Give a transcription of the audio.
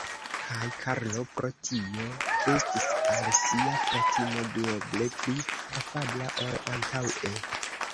Kaj Karlo pro tio estis al sia fratino duoble pli afabla ol antaŭe.